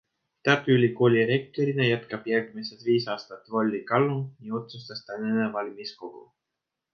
Tartu Ülikooli rektorina jätkab järgmised viis aastat Volli Kalm, nii otsustas tänane valimiskogu.